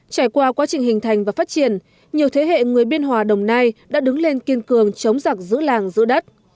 trải qua quá trình hình thành và phát triển nhiều thế hệ người biên hòa đồng nai đã đứng lên kiên cường chống giặc giữ làng giữ đất